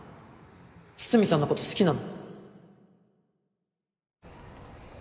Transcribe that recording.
筒見さんのこと好きなの？